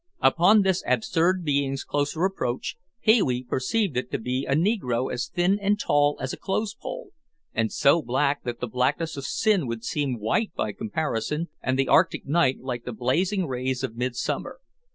Upon this absurd being's closer approach, Pee wee perceived it to be a negro as thin and tall as a clothespole, and so black that the blackness of sin would seem white by comparison and the arctic night like the blazing rays of midsummer.